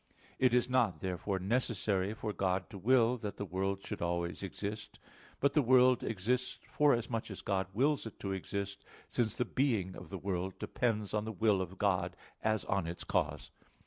It is not therefore necessary for God to will that the world should always exist; but the world exists forasmuch as God wills it to exist, since the being of the world depends on the will of God, as on its cause.